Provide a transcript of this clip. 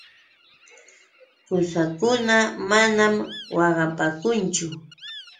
Qusakuna manam waqapaakunchu.